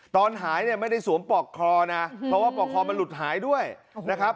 ตอนหายเนี่ยไม่ได้สวมปอกคอนะเพราะว่าปอกคอมันหลุดหายด้วยนะครับ